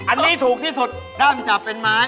อันนี้ถูกที่สุดด้ามจับเป็นไม้